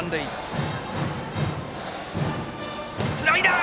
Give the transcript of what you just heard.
スライダー！